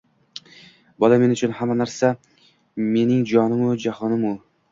Bola men uchun hamma narsa, mening jonu jahonim u.